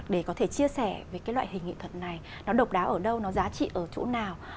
để có thể chia sẻ về cái loại hình nghệ thuật này nó độc đáo ở đâu nó giá trị ở chỗ nào